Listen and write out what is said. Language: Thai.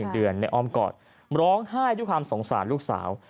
เดือนในอ้อมกอดร้องไห้ด้วยความสงสารลูกสาว